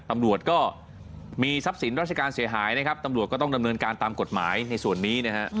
ตำรวจก็มีทรัพย์สินราชการเสียหายนะครับตำรวจก็ต้องดำเนินการตามกฎหมายในส่วนนี้นะฮะ